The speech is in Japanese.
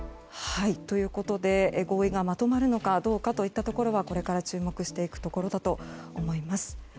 ということで、合意がまとまるのかどうかといったところはこれから注目していくところだと思います。